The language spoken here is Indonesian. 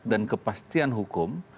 dan kepastian hukum